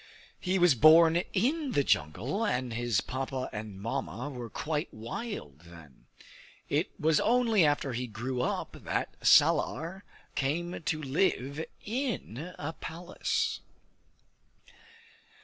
He was born in the jungle, and his Papa and Mamma were quite wild then. It was only after he grew up that Salar came to live in a palace.